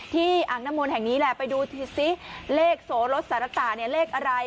ที่อังนัมนต์แห่งนี้แหละไปดูซิเลขโสรสรรต่าเลขอะไร